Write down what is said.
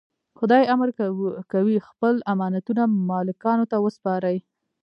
خدای امر کوي خپل امانتونه مالکانو ته وسپارئ.